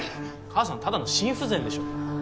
母さんただの心不全でしょ。